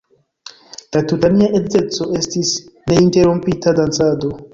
La tuta nia edzeco estis neinterrompita dancado.